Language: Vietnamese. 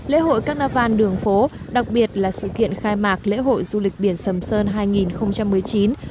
lễ hội các nà văn đường phố đặc biệt là sự kiện khai mạc lễ hội du lịch biển sầm sơn hai nghìn một mươi chín